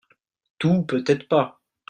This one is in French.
Tout, peut-être pas